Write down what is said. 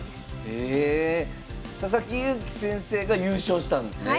え佐々木勇気先生が優勝したんですね。